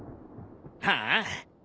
ああ！